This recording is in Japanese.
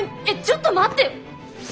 えっちょっと待って。